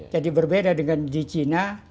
jadi berbeda dengan di china